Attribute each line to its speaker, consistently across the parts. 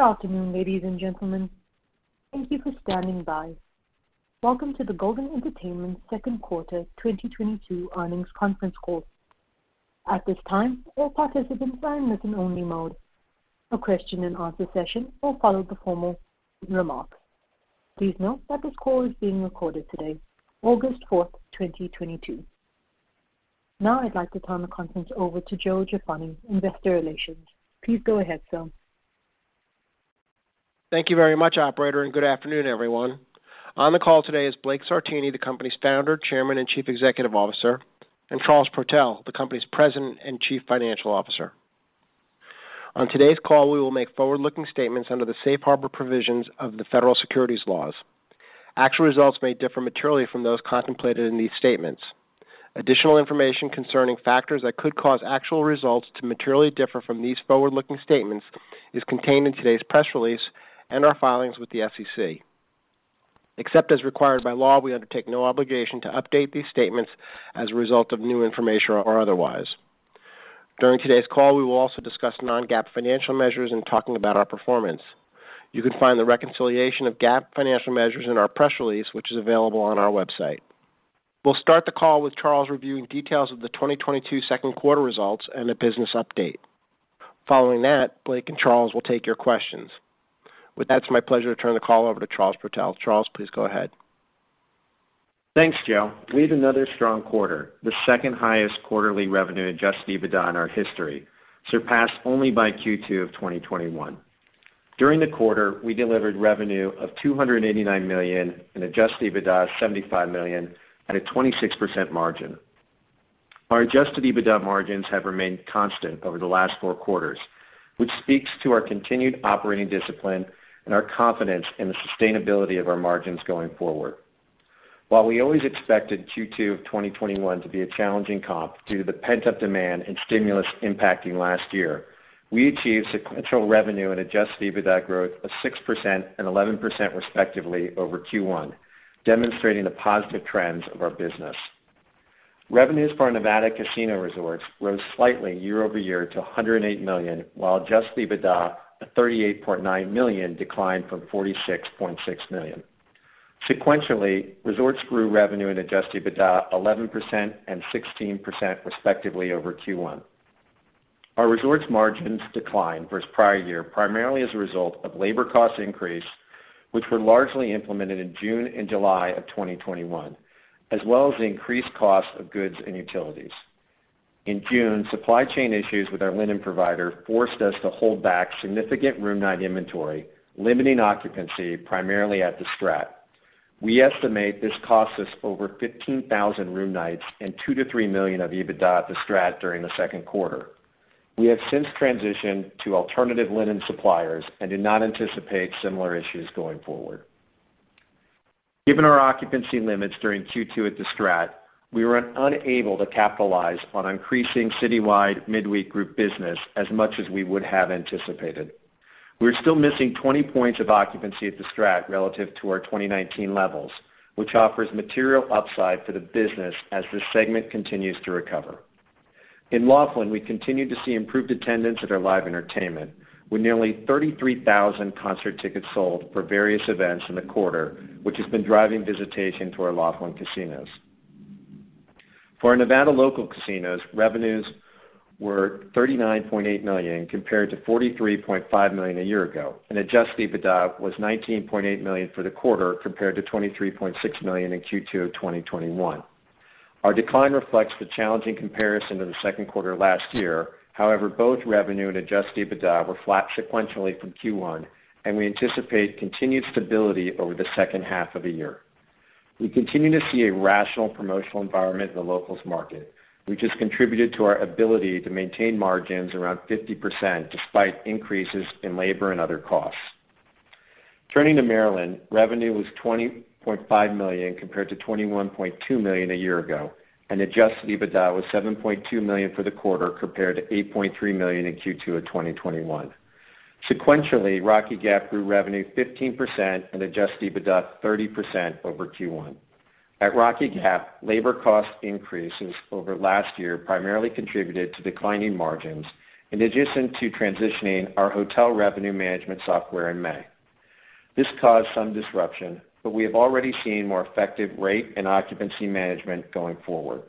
Speaker 1: Good afternoon, ladies and gentlemen. Thank you for standing by. Welcome to the Golden Entertainment Q2 2022 Earnings Conference Call. At this time, all participants are in listen-only mode. A question and answer session will follow the formal remarks. Please note that this call is being recorded today, August 4, 2022. Now I'd like to turn the conference over to Joseph Jaffoni, Investor Relations. Please go ahead, sir.
Speaker 2: Thank you very much, operator, and good afternoon, everyone. On the call today is Blake Sartini, the company's Founder, Chairman, and Chief Executive Officer, and Charles Protell, the company's President and Chief Financial Officer. On today's call, we will make forward-looking statements under the safe harbor provisions of the Federal Securities laws. Actual results may differ materially from those contemplated in these statements. Additional information concerning factors that could cause actual results to materially differ from these forward-looking statements is contained in today's press release and our filings with the SEC. Except as required by law, we undertake no obligation to update these statements as a result of new information or otherwise. During today's call, we will also discuss non-GAAP financial measures in talking about our performance. You can find the reconciliation of GAAP financial measures in our press release, which is available on our website. We'll start the call with Charles reviewing details of the 2022 Q2 results and a business update. Following that, Blake and Charles will take your questions. With that, it's my pleasure to turn the call over to Charles Protell. Charles, please go ahead.
Speaker 3: Thanks, Joe. We had another strong quarter, the second highest quarterly revenue and adjusted EBITDA in our history, surpassed only by Q2 of 2021. During the quarter, we delivered revenue of $289 million and adjusted EBITDA of $75 million at a 26% margin. Our adjusted EBITDA margins have remained constant over the last four quarters, which speaks to our continued operating discipline and our confidence in the sustainability of our margins going forward. While we always expected Q2 of 2021 to be a challenging comp due to the pent-up demand and stimulus impacting last year, we achieved sequential revenue and adjusted EBITDA growth of 6% and 11% respectively over Q1, demonstrating the positive trends of our business. Revenues for our Nevada casino resorts rose slightly year-over-year to $108 million, while adjusted EBITDA at $38.9 million declined from $46.6 million. Sequentially, resorts grew revenue and adjusted EBITDA 11% and 16% respectively over Q1. Our resorts margins declined versus prior year primarily as a result of labor cost increase, which were largely implemented in June and July of 2021, as well as the increased cost of goods and utilities. In June, supply chain issues with our linen provider forced us to hold back significant room night inventory, limiting occupancy primarily at the Strat. We estimate this cost us over 15,000 room nights and $2 million-$3 million of EBITDA at the Strat during the Q2. We have since transitioned to alternative linen suppliers and do not anticipate similar issues going forward. Given our occupancy limits during Q2 at the Strat, we were unable to capitalize on increasing citywide midweek group business as much as we would have anticipated. We're still missing 20 points of occupancy at the Strat relative to our 2019 levels, which offers material upside for the business as this segment continues to recover. In Laughlin, we continued to see improved attendance at our live entertainment, with nearly 33,000 concert tickets sold for various events in the quarter, which has been driving visitation to our Laughlin casinos. For our Nevada local casinos, revenues were $39.8 million compared to $43.5 million a year ago, and adjusted EBITDA was $19.8 million for the quarter compared to $23.6 million in Q2 of 2021. Our decline reflects the challenging comparison to the Q2 last year. However, both revenue and adjusted EBITDA were flat sequentially from Q1, and we anticipate continued stability over the second half of the year. We continue to see a rational promotional environment in the locals market, which has contributed to our ability to maintain margins around 50% despite increases in labor and other costs. Turning to Maryland, revenue was $20.5 million compared to $21.2 million a year ago, and adjusted EBITDA was $7.2 million for the quarter compared to $8.3 million in Q2 of 2021. Sequentially, Rocky Gap grew revenue 15% and adjusted EBITDA 30% over Q1. At Rocky Gap, labor cost increases over last year primarily contributed to declining margins in addition to transitioning our hotel revenue management software in May. This caused some disruption, but we have already seen more effective rate and occupancy management going forward.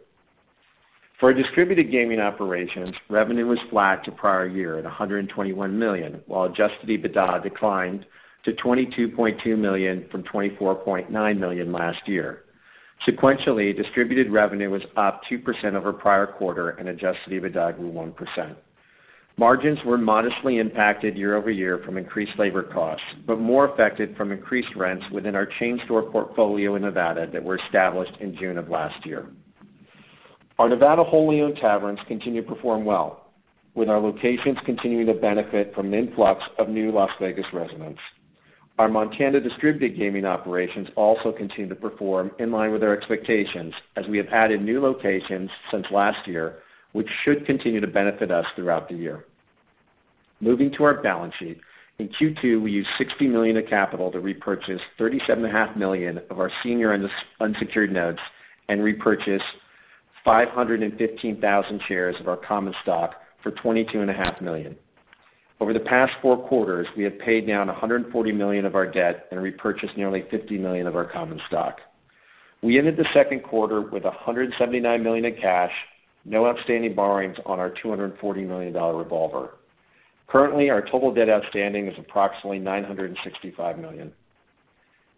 Speaker 3: For our distributed gaming operations, revenue was flat to prior year at $121 million, while adjusted EBITDA declined to $22.2 million from $24.9 million last year. Sequentially, distributed revenue was up 2% over prior quarter and adjusted EBITDA grew 1%. Margins were modestly impacted year-over-year from increased labor costs, but more affected from increased rents within our chain store portfolio in Nevada that were established in June of last year. Our Nevada wholly-owned taverns continue to perform well, with our locations continuing to benefit from an influx of new Las Vegas residents. Our Montana distributed gaming operations also continue to perform in line with our expectations, as we have added new locations since last year, which should continue to benefit us throughout the year. Moving to our balance sheet, in Q2, we used $60 million of capital to repurchase $37.5 million of our senior unsecured notes and repurchased 515,000 shares of our common stock for $22.5 million. Over the past four quarters, we have paid down $140 million of our debt and repurchased nearly $50 million of our common stock. We ended the Q2 with $179 million in cash, no outstanding borrowings on our $240 million revolver. Currently, our total debt outstanding is approximately $965 million.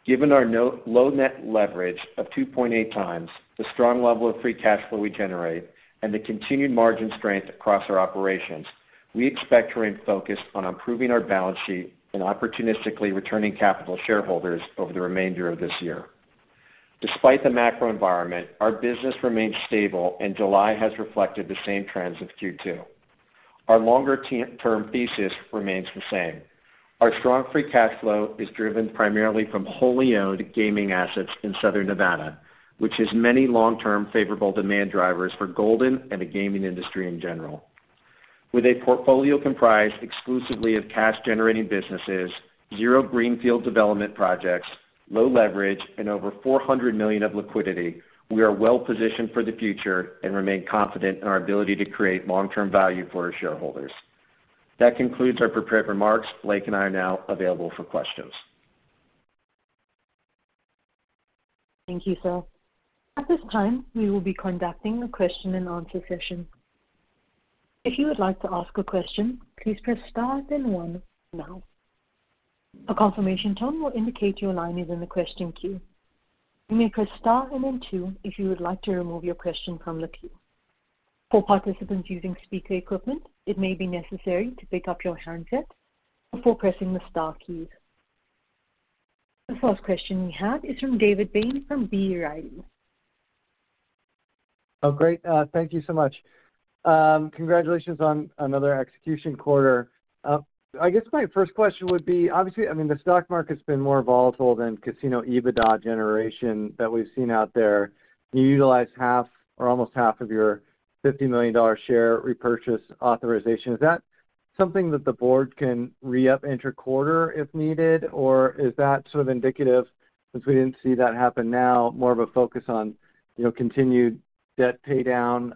Speaker 3: Given our low net leverage of 2.8 times, the strong level of free cash flow we generate, and the continued margin strength across our operations, we expect to remain focused on improving our balance sheet and opportunistically returning capital to shareholders over the remainder of this year. Despite the macro environment, our business remains stable and July has reflected the same trends of Q2. Our longer-term thesis remains the same. Our strong free cash flow is driven primarily from wholly-owned gaming assets in Southern Nevada, which has many long-term favorable demand drivers for Golden and the gaming industry in general. With a portfolio comprised exclusively of cash-generating businesses, zero greenfield development projects, low leverage, and over $400 million of liquidity, we are well positioned for the future and remain confident in our ability to create long-term value for our shareholders. That concludes our prepared remarks. Blake and I are now available for questions.
Speaker 1: Thank you, sir. At this time, we will be conducting a question and answer session. If you would like to ask a question, please press star then one now. A confirmation tone will indicate your line is in the question queue. You may press star and then two if you would like to remove your question from the queue. For participants using speaker equipment, it may be necessary to pick up your handset before pressing the star key. The first question we have is from David Bain from B. Riley.
Speaker 4: Oh, great. Thank you so much. Congratulations on another execution quarter. I guess my first question would be, obviously, I mean, the stock market's been more volatile than casino EBITDA generation that we've seen out there. You utilized half or almost half of your $50 million share repurchase authorization. Is that something that the board can re-up inter-quarter if needed? Or is that sort of indicative, since we didn't see that happen now, more of a focus on, you know, continued debt pay down,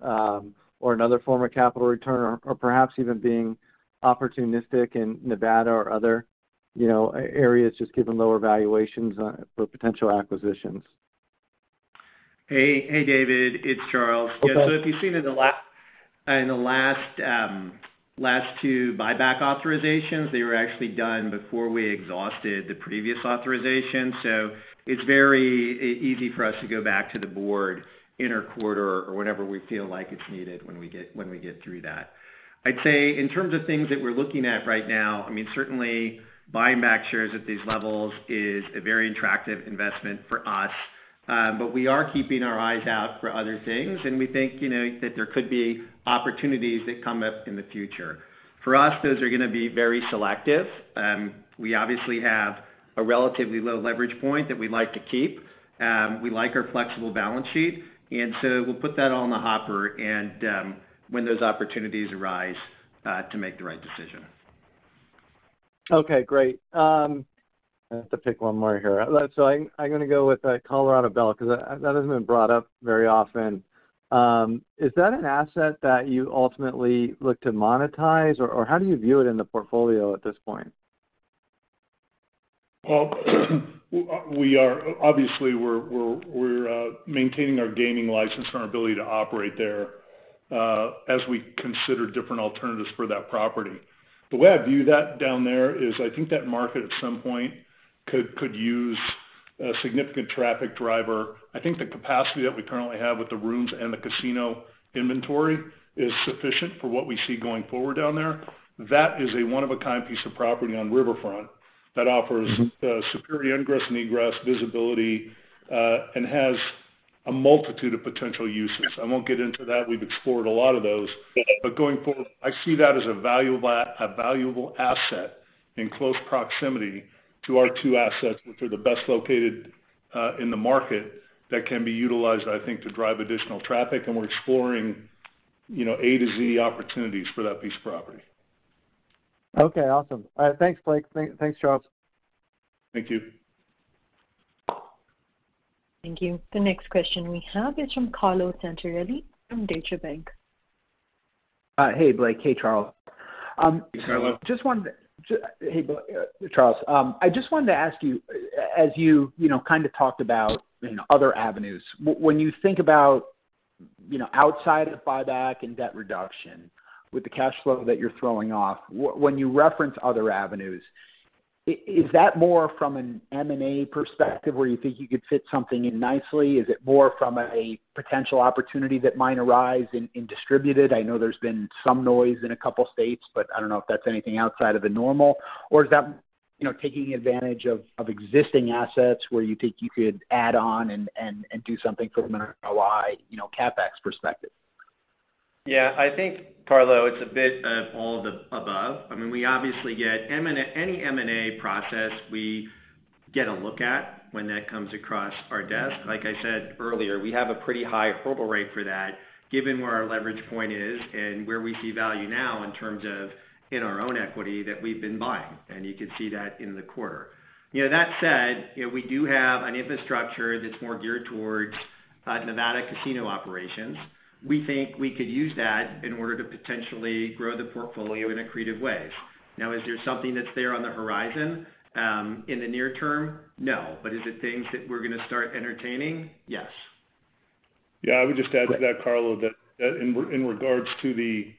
Speaker 4: or another form of capital return or perhaps even being opportunistic in Nevada or other, you know, areas just given lower valuations on it for potential acquisitions?
Speaker 3: Hey, David, it's Charles.
Speaker 4: Okay.
Speaker 3: If you've seen in the last two buyback authorizations, they were actually done before we exhausted the previous authorization. It's very easy for us to go back to the board inter-quarter or whenever we feel like it's needed when we get through that. I'd say in terms of things that we're looking at right now, I mean, certainly buying back shares at these levels is a very attractive investment for us, but we are keeping our eyes out for other things, and we think, you know, that there could be opportunities that come up in the future. For us, those are gonna be very selective. We obviously have a relatively low leverage point that we'd like to keep. We like our flexible balance sheet, and so we'll put that all in the hopper and, when those opportunities arise, to make the right decision.
Speaker 4: Okay, great. I have to pick one more here. I'm gonna go with Colorado Belle, 'cause that hasn't been brought up very often. Is that an asset that you ultimately look to monetize? How do you view it in the portfolio at this point?
Speaker 5: Well, obviously, we're maintaining our gaming license and our ability to operate there, as we consider different alternatives for that property. The way I view that down there is I think that market at some point could use a significant traffic driver. I think the capacity that we currently have with the rooms and the casino inventory is sufficient for what we see going forward down there. That is a one-of-a-kind piece of property on riverfront that offers superior ingress and egress visibility, and has a multitude of potential uses. I won't get into that. We've explored a lot of those.
Speaker 4: Yeah.
Speaker 5: Going forward, I see that as a valuable asset in close proximity to our two assets, which are the best located in the market that can be utilized, I think, to drive additional traffic, and we're exploring, you know, A to Z opportunities for that piece of property.
Speaker 4: Okay, awesome. Thanks, Blake. Thanks, Charles.
Speaker 5: Thank you.
Speaker 1: Thank you. The next question we have is from Carlo Santarelli from Deutsche Bank.
Speaker 6: Hey, Blake. Hey, Charles.
Speaker 5: Hey, Carlo.
Speaker 6: Hey, Charles. I just wanted to ask you, as you know, kind of talked about, you know, other avenues, when you think about, you know, outside of buyback and debt reduction with the cash flow that you're throwing off, when you reference other avenues, is that more from an M&A perspective where you think you could fit something in nicely? Is it more from a potential opportunity that might arise in distributed? I know there's been some noise in a couple states, but I don't know if that's anything outside of the normal. Or is that, you know, taking advantage of existing assets where you think you could add on and do something from an ROI, you know, CapEx perspective?
Speaker 3: Yeah. I think, Carlo, it's a bit of all the above. I mean, we obviously get any M&A process we get a look at when that comes across our desk. Like I said earlier, we have a pretty high hurdle rate for that, given where our leverage point is and where we see value now in terms of in our own equity that we've been buying, and you could see that in the quarter. You know, that said, you know, we do have An infrastructure that's more geared towards Nevada casino operations. We think we could use that in order to potentially grow the portfolio in accretive ways. Now, is there something that's there on the horizon in the near term? No. Is it things that we're gonna start entertaining? Yes.
Speaker 5: Yeah. I would just add to that, Carlo, that in regards to the,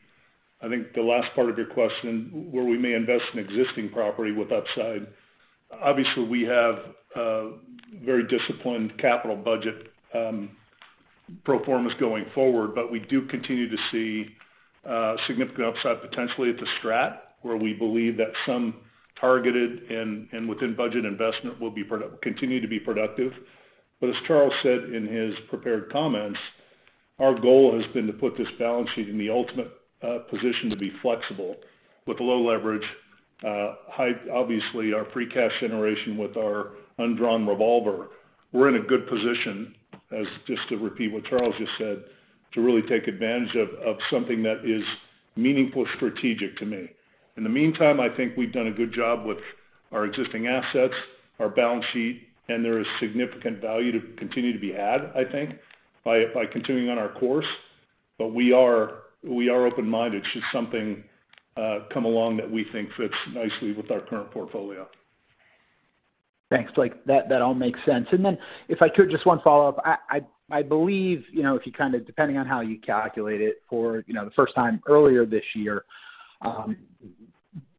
Speaker 5: I think the last part of your question, where we may invest in existing property with upside. Obviously, we have a very disciplined capital budget, pro formas going forward, but we do continue to see significant upside potentially at the Strat, where we believe that some targeted and within budget investment will continue to be productive. As Charles said in his prepared comments, our goal has been to put this balance sheet in the ultimate position to be flexible with low leverage, high free cash generation with our undrawn revolver. We're in a good position, I just to repeat what Charles just said, to really take advantage of something that is meaningful strategic to me. In the meantime, I think we've done a good job with our existing assets, our balance sheet, and there is significant value to continue to be had, I think, by continuing on our course. We are open-minded should something come along that we think fits nicely with our current portfolio.
Speaker 6: Thanks, Blake. That all makes sense. If I could, just one follow-up. I believe, you know, if you kind of depending on how you calculate it for, you know, the first time earlier this year,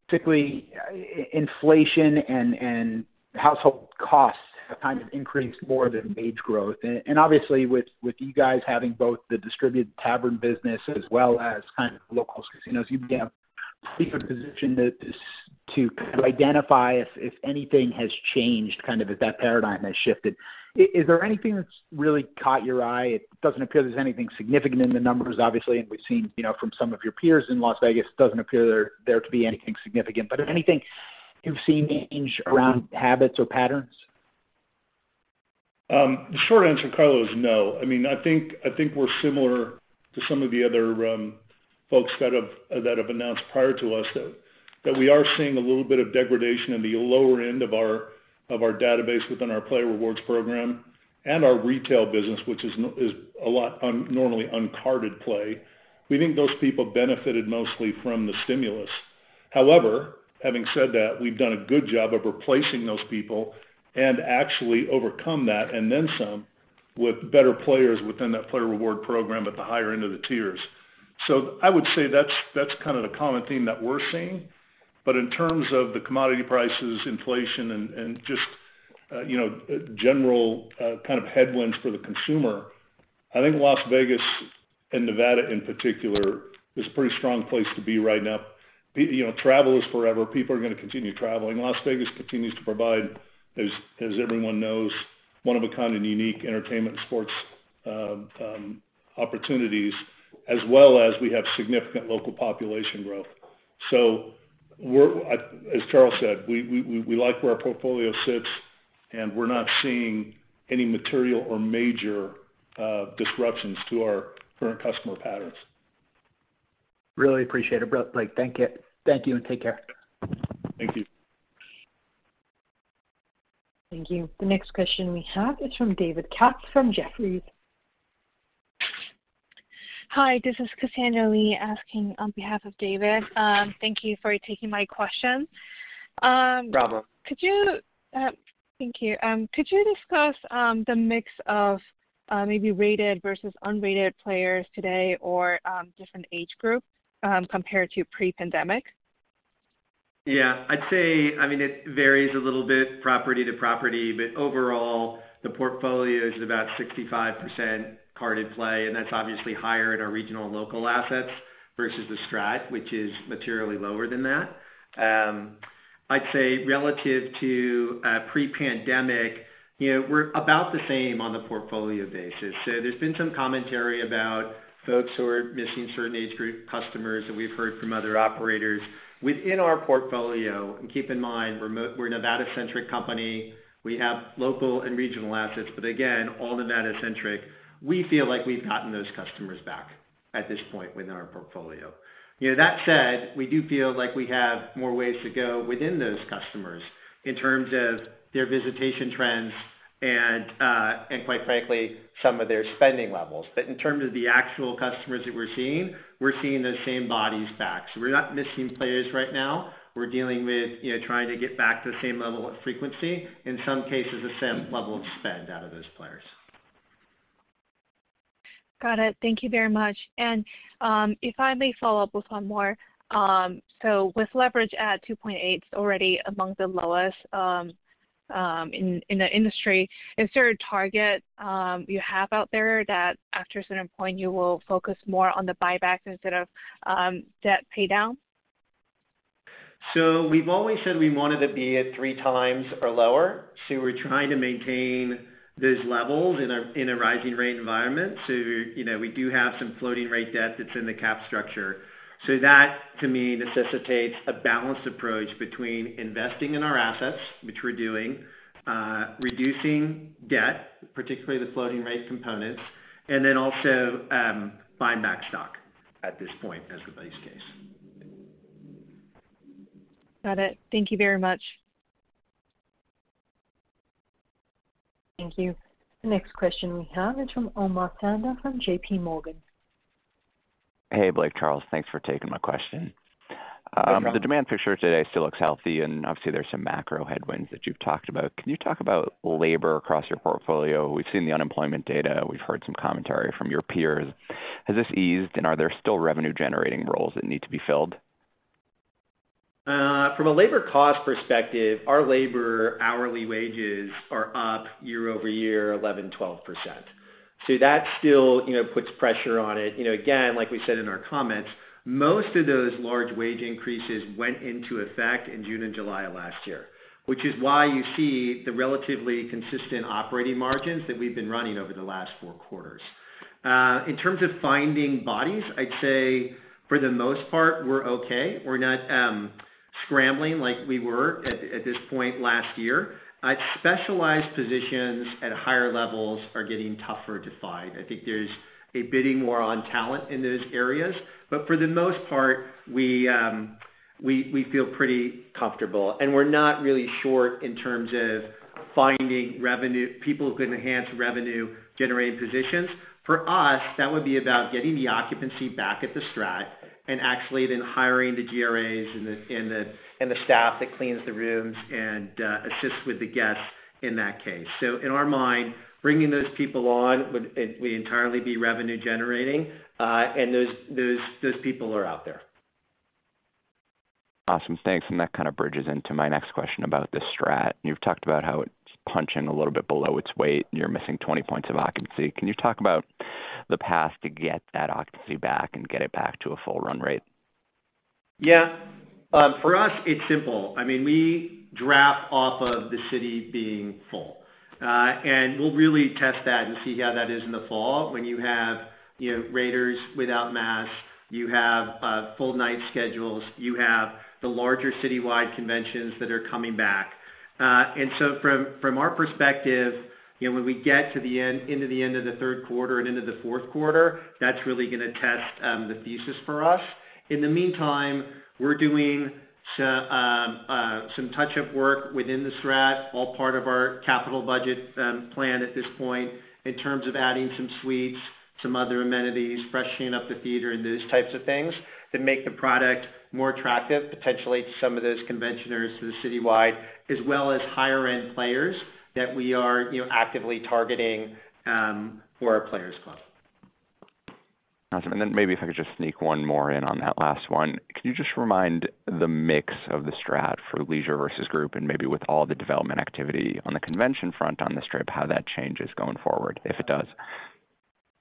Speaker 6: particularly inflation and household costs have kind of increased more than wage growth. Obviously, with you guys having both the distributed tavern business as well as kind of locals casinos, you'd be in a pretty good position to to kind of identify if anything has changed, kind of if that paradigm has shifted. Is there anything that's really caught your eye? It doesn't appear there's anything significant in the numbers, obviously, and we've seen, you know, from some of your peers in Las Vegas, it doesn't appear there to be anything significant. Anything you've seen change around habits or patterns?
Speaker 5: The short answer, Carlo, is no. I mean, I think we're similar to some of the other folks that have announced prior to us that we are seeing a little bit of degradation in the lower end of our database within our player rewards program and our retail business, which is a lot of normally uncarded play. We think those people benefited mostly from the stimulus. However, having said that, we've done a good job of replacing those people and actually overcome that and then some with better players within that player reward program at the higher end of the tiers. I would say that's kind of the common theme that we're seeing. In terms of the commodity prices, inflation and just, you know, general kind of headwinds for the consumer, I think Las Vegas and Nevada in particular is a pretty strong place to be right now. You know, travel is forever. People are gonna continue traveling. Las Vegas continues to provide, as everyone knows, one-of-a-kind and unique entertainment and sports opportunities, as well as we have significant local population growth. As Charles said, we like where our portfolio sits, and we're not seeing any material or major disruptions to our current customer patterns.
Speaker 6: Really appreciate it, Blake. Thank you and take care.
Speaker 5: Thank you.
Speaker 1: Thank you. The next question we have is from David Katz from Jefferies.
Speaker 7: Hi, this is Cassandra Lee asking on behalf of David. Thank you for taking my question.
Speaker 3: Bravo.
Speaker 7: Thank you. Could you discuss the mix of maybe rated versus unrated players today or different age group compared to pre-pandemic?
Speaker 3: Yeah. I'd say, I mean, it varies a little bit property to property, but overall, the portfolio is about 65% carded play, and that's obviously higher in our regional and local assets versus the Strat, which is materially lower than that. I'd say relative to pre-pandemic, you know, we're about the same on the portfolio basis. There's been some commentary about folks who are missing certain age group customers that we've heard from other operators. Within our portfolio, and keep in mind, we're a Nevada-centric company, we have local and regional assets, but again, all Nevada-centric, we feel like we've gotten those customers back at this point within our portfolio. You know, that said, we do feel like we have more ways to go within those customers in terms of their visitation trends and quite frankly, some of their spending levels. In terms of the actual customers that we're seeing, we're seeing those same bodies back. We're not missing players right now. We're dealing with, you know, trying to get back to the same level of frequency, in some cases, the same level of spend out of those players.
Speaker 7: Got it. Thank you very much. If I may follow up with one more. With leverage at 2.8, it's already among the lowest in the industry. Is there a target you have out there that after a certain point you will focus more on the buybacks instead of debt paydown?
Speaker 3: We've always said we wanted to be at three times or lower, so we're trying to maintain those levels in a rising rate environment. You know, we do have some floating rate debt that's in the capital structure. That, to me, necessitates a balanced approach between investing in our assets, which we're doing, reducing debt, particularly the floating rate components, and then also, buying back stock at this point as the base case.
Speaker 7: Got it. Thank you very much.
Speaker 1: Thank you. The next question we have is from Omer [unintelligible] from J.P. Morgan.
Speaker 8: Hey, Blake, Charles, thanks for taking my question.
Speaker 3: No problem.
Speaker 8: The demand for sure today still looks healthy, and obviously, there's some macro headwinds that you've talked about. Can you talk about labor across your portfolio? We've seen the unemployment data. We've heard some commentary from your peers. Has this eased, and are there still revenue-generating roles that need to be filled?
Speaker 3: From a labor cost perspective, our labor hourly wages are up year-over-year 11%-12%. That still, you know, puts pressure on it. You know, again, like we said in our comments, most of those large wage increases went into effect in June and July of last year, which is why you see the relatively consistent operating margins that we've been running over the last four quarters. In terms of finding bodies, I'd say for the most part, we're okay. We're not scrambling like we were at this point last year. Specialized positions at higher levels are getting tougher to find. I think there's a bidding war on talent in those areas. For the most part, we feel pretty comfortable, and we're not really short in terms of finding revenue-generating people who can enhance revenue-generating positions. For us, that would be about getting the occupancy back at the Strat and actually then hiring the GRAs and the staff that cleans the rooms and assists with the guests in that case. In our mind, bringing those people on would entirely be revenue generating, and those people are out there.
Speaker 8: Awesome. Thanks. That kind of bridges into my next question about the Strat. You've talked about how it's punching a little bit below its weight and you're missing 20 points of occupancy. Can you talk about the path to get that occupancy back and get it back to a full run rate?
Speaker 3: Yeah. For us, it's simple. I mean, we draft off of the city being full. We'll really test that and see how that is in the fall when you have, you know, Raiders without masks, you have full night schedules, you have the larger citywide conventions that are coming back. From our perspective, you know, when we get into the end of the Q3 and into the Q4, that's really gonna test the thesis for us. In the meantime, we're doing some touch-up work within the Strat, all part of our capital budget plan at this point, in terms of adding some suites, some other amenities, freshening up the theater and those types of things that make the product more attractive, potentially to some of those conventioneers to the citywide, as well as higher-end players that we are, you know, actively targeting for our players club.
Speaker 8: Awesome. Maybe if I could just sneak one more in on that last one. Can you just remind the mix of The STRAT for leisure versus group and maybe with all the development activity on the convention front on the strip, how that changes going forward, if it does?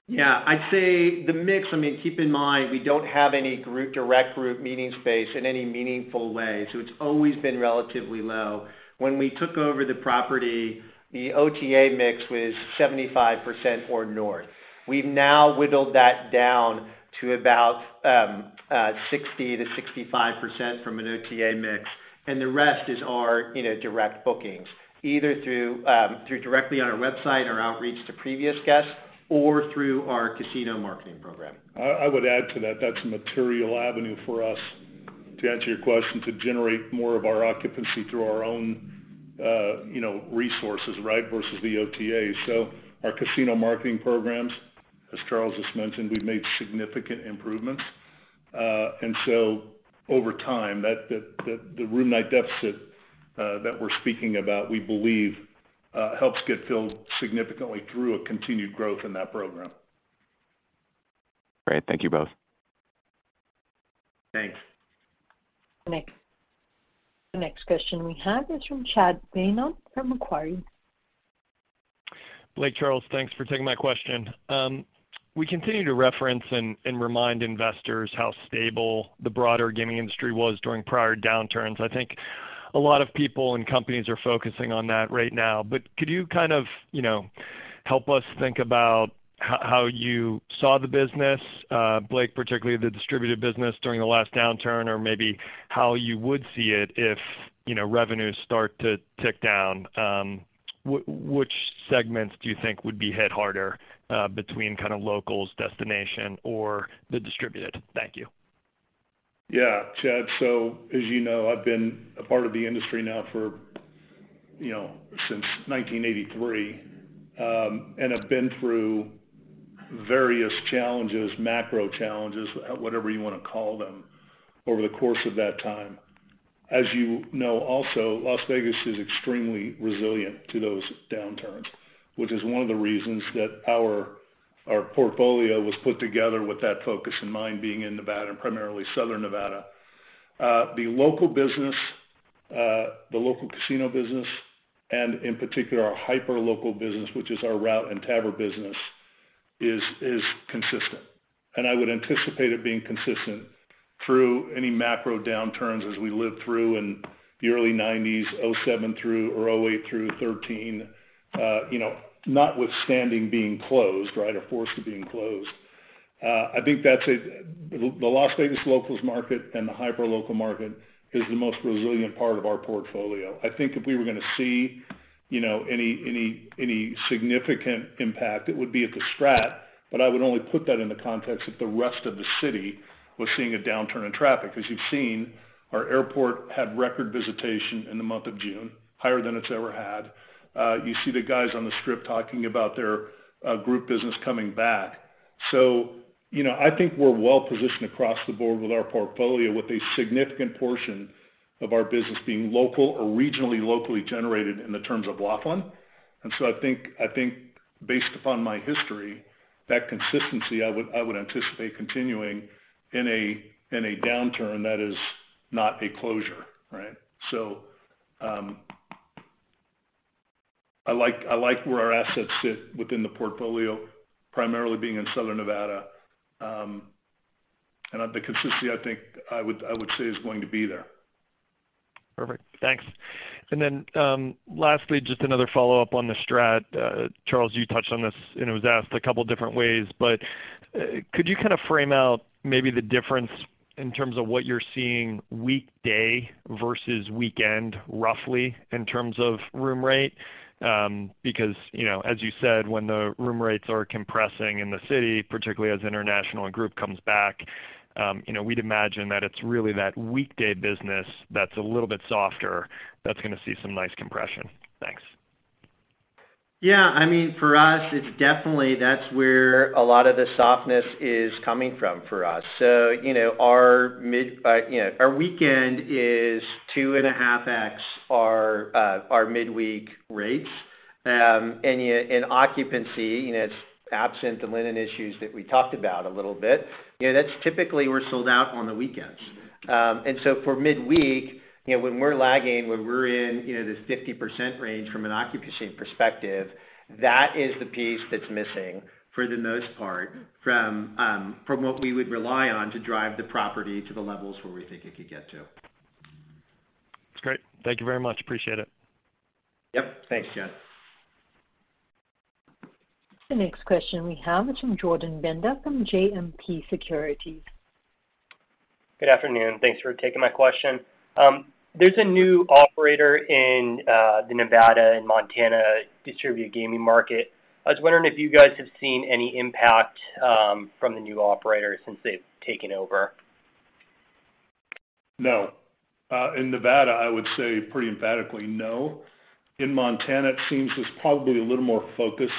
Speaker 3: Yeah. I'd say the mix. I mean, keep in mind, we don't have any direct group meeting space in any meaningful way, so it's always been relatively low. When we took over the property, the OTA mix was 75% or north. We've now whittled that down to about 60%-65% from an OTA mix, and the rest is our direct bookings, either through directly on our website or outreach to previous guests or through our casino marketing program. I would add to that's a material avenue for us, to answer your question, to generate more of our occupancy through our own resources, right, versus the OTA. Our casino marketing programs, as Charles just mentioned, we've made significant improvements. Over time, the room night deficit that we're speaking about, we believe, helps get filled significantly through a continued growth in that program.
Speaker 8: Great. Thank you both.
Speaker 3: Thanks.
Speaker 1: The next question we have is from Chad Beynon from Macquarie.
Speaker 9: Blake, Charles, thanks for taking my question. We continue to reference and remind investors how stable the broader gaming industry was during prior downturns. I think a lot of people and companies are focusing on that right now. Could you kind of, you know, help us think about how you saw the business, Blake, particularly the distributed business during the last downturn, or maybe how you would see it if, you know, revenues start to tick down. Which segments do you think would be hit harder, between kinda locals, destination, or the distributed? Thank you.
Speaker 3: Yeah, Chad. As you know, I've been a part of the industry now for, you know, since 1983. I've been through various challenges, macro challenges, whatever you wanna call them, over the course of that time. As you know also, Las Vegas is extremely resilient to those downturns, which is one of the reasons that our portfolio was put together with that focus in mind being in Nevada and primarily Southern Nevada. The local business, the local casino business, and in particular, our hyper-local business, which is our Route and Tavern business, is consistent. I would anticipate it being consistent through any macro downturns as we lived through in the early 1990s, 2007 through 2008 through 2013, notwithstanding being closed, right, or forced to being closed.
Speaker 5: I think that's it. The Las Vegas locals market and the hyperlocal market is the most resilient part of our portfolio. I think if we were gonna see, you know, any significant impact, it would be at the Strat, but I would only put that in the context of the rest of the city was seeing a downturn in traffic. As you've seen, our airport had record visitation in the month of June, higher than it's ever had. You see the guys on the Strip talking about their group business coming back. You know, I think we're well positioned across the board with our portfolio, with a significant portion of our business being local or regionally, locally generated in the terms of Laughlin. I think based upon my history, that consistency, I would anticipate continuing in a downturn that is not a closure, right? I like where our assets sit within the portfolio, primarily being in Southern Nevada. The consistency I think I would say is going to be there.
Speaker 9: Perfect. Thanks. Lastly, just another follow-up on the Strat. Charles, you touched on this, and it was asked a couple different ways, but could you kind of frame out maybe the difference in terms of what you're seeing weekday versus weekend, roughly, in terms of room rate? Because, you know, as you said, when the room rates are compressing in the city, particularly as international and group comes back, you know, we'd imagine that it's really that weekday business that's a little bit softer that's gonna see some nice compression. Thanks.
Speaker 3: Yeah. I mean, for us, it's definitely that's where a lot of the softness is coming from for us. You know, our weekend is 2.5x our midweek rates. Occupancy, you know, it's absent the linen issues that we talked about a little bit, you know, that's typically we're sold out on the weekends. For midweek, you know, when we're lagging, when we're in, you know, this 50% range from an occupancy perspective, that is the piece that's missing for the most part from what we would rely on to drive the property to the levels where we think it could get to.
Speaker 9: That's great. Thank you very much. Appreciate it.
Speaker 3: Yep. Thanks, John.
Speaker 1: The next question we have is from Jordan Bender from JMP Securities.
Speaker 10: Good afternoon. Thanks for taking my question. There's a new operator in the Nevada and Montana distributed gaming market. I was wondering if you guys have seen any impact from the new operator since they've taken over.
Speaker 5: No. In Nevada, I would say pretty emphatically no. In Montana, it seems there's probably a little more focus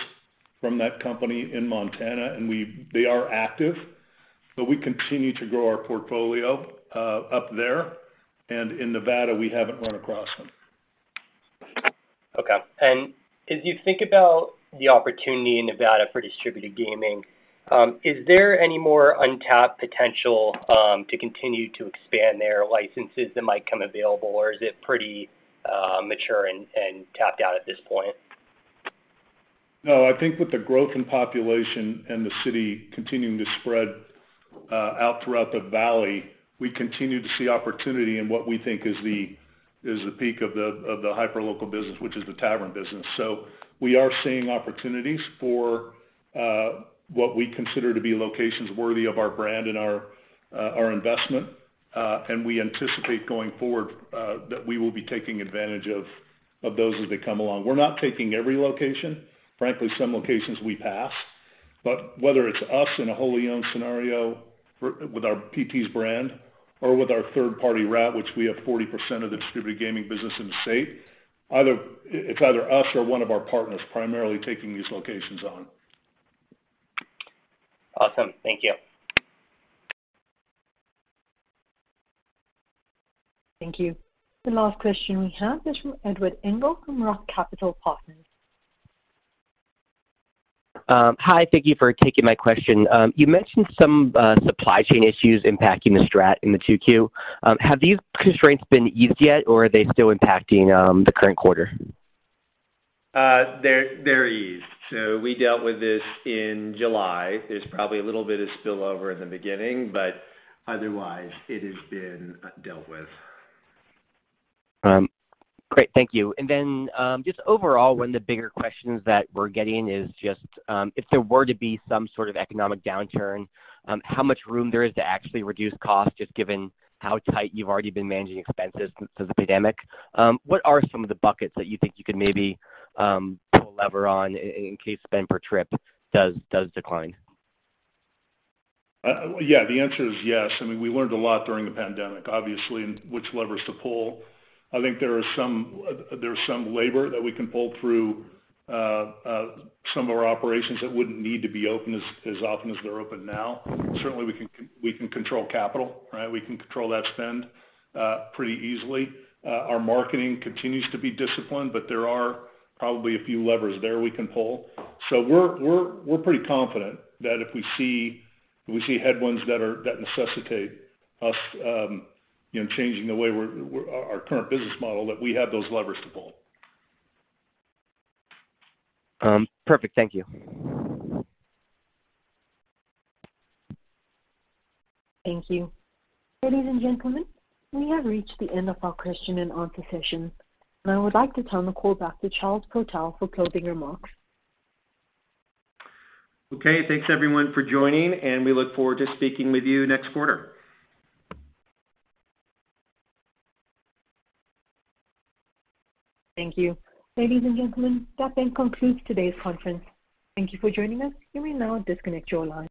Speaker 5: from that company in Montana, and they are active, but we continue to grow our portfolio up there. In Nevada, we haven't run across them.
Speaker 10: Okay. As you think about the opportunity in Nevada for distributed gaming, is there any more untapped potential to continue to expand their licenses that might come available, or is it pretty mature and tapped out at this point?
Speaker 5: No. I think with the growth in population and the city continuing to spread out throughout the valley, we continue to see opportunity in what we think is the peak of the hyperlocal business, which is the tavern business. We are seeing opportunities for what we consider to be locations worthy of our brand and our investment, and we anticipate going forward that we will be taking advantage of those as they come along. We're not taking every location. Frankly, some locations we pass. Whether it's us in a wholly owned scenario with our PT's brand or with our third-party route, which we have 40% of the distributed gaming business in the state, it's either us or one of our partners primarily taking these locations on.
Speaker 10: Awesome. Thank you.
Speaker 1: Thank you. The last question we have is from Edward Engel from Roth Capital Partners.
Speaker 11: Hi. Thank you for taking my question. You mentioned some supply chain issues impacting the Strat in the 2Q. Have these constraints been eased yet, or are they still impacting the current quarter?
Speaker 3: They're eased. We dealt with this in July. There's probably a little bit of spillover in the beginning, but otherwise it has been dealt with.
Speaker 11: Great. Thank you. Just overall, one of the bigger questions that we're getting is just, if there were to be some sort of economic downturn, how much room there is to actually reduce cost, just given how tight you've already been managing expenses since the pandemic. What are some of the buckets that you think you could maybe, pull a lever on in case spend per trip does decline?
Speaker 5: Yeah, the answer is yes. I mean, we learned a lot during the pandemic, obviously, and which levers to pull. I think there's some labor that we can pull through some of our operations that wouldn't need to be open as often as they're open now. Certainly, we can control CapEx, right? We can control that spend pretty easily. Our marketing continues to be disciplined, but there are probably a few levers there we can pull. We're pretty confident that if we see headwinds that necessitate us, you know, changing the way we're our current business model, that we have those levers to pull.
Speaker 11: Perfect. Thank you.
Speaker 1: Thank you. Ladies and gentlemen, we have reached the end of our question and answer session, and I would like to turn the call back to Charles Protell for closing remarks.
Speaker 3: Okay. Thanks, everyone, for joining, and we look forward to speaking with you next quarter.
Speaker 1: Thank you. Ladies and gentlemen, that then concludes today's conference. Thank you for joining us. You may now disconnect your line.